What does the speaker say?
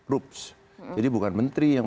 rups jadi bukan menteri yang